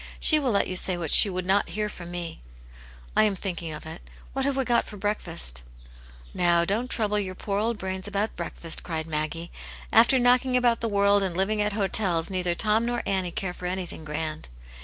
She will let you say what she would not hear from me." " I am thinking of it. What have we got for breakfast ?"" NoW; don't trouble yowt ipoot ^W VwScciSk '^'^^Js* 196 A tint Jane's Hero. breakfast 1 " cried Maggie. " After knocking about the world and living at hotels, neither Tom nor Annie care for anything grand."